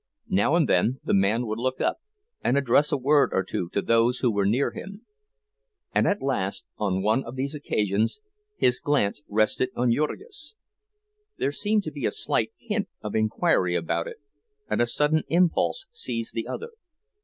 Now and then the man would look up, and address a word or two to those who were near him; and, at last, on one of these occasions, his glance rested on Jurgis. There seemed to be a slight hint of inquiry about it, and a sudden impulse seized the other.